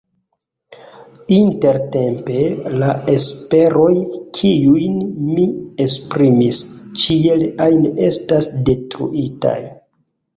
Intertempe la esperoj, kiujn mi esprimis, ĉiel ajn estas detruitaj.